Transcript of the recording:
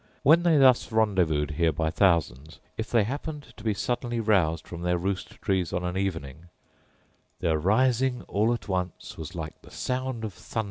When they thus rendezvoused here by thousands, if they happened to be suddenly roused from their roost trees on an evening, Their rising all at once was like the sound Of thunder heard remote….